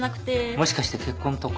もしかして結婚とか？